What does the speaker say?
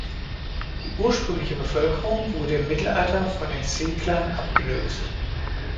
Die ursprüngliche Bevölkerung wurde im Mittelalter von den Szeklern abgelöst.